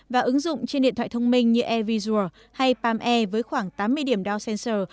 và ứng dụng trên điện thoại thông minh như airvisual hay palm air với khoảng tám mươi điểm down sensor